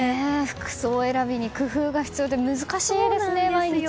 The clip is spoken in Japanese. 服装選びに工夫が必要で難しいです、毎日。